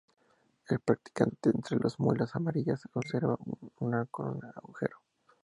El practicante, entre las muelas amarillas, observa una con un agujero.